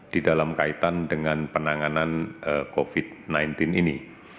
di dalam kaitan dengan penanganan covid sembilan belas ini